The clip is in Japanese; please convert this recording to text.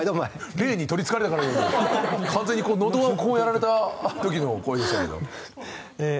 霊に取りつかれたかのように完全にのどわこうやられた時の声でしたけど。